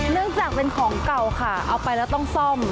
เนื่องจากเป็นของเก่าค่ะเอาไปแล้วต้องซ่อม